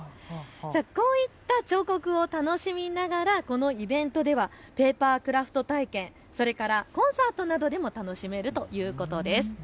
こういった彫刻を楽しみながらこのイベントではペーパークラフト体験、それからコンサートなどでも楽しめるということです。